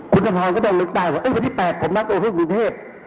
คุณธรรมก็ต้องลึกได้ว่าวันที่๘ผมนัดโอฮึกวิทเทพฯ